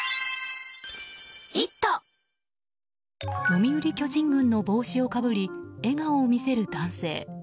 読売巨人軍の帽子をかぶり笑顔を見せる男性。